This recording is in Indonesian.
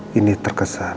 hai ini terkesan